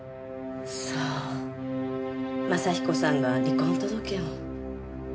そう真彦さんが離婚届を。